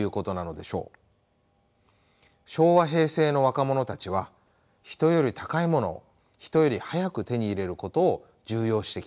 昭和・平成の若者たちは人より高いものを人より速く手に入れることを重要視してきました。